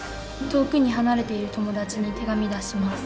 遠くに離れている友達に手紙出します。